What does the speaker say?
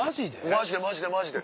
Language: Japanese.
マジでマジでマジで。